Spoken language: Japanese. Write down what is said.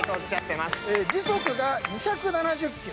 時速が２７０キロ。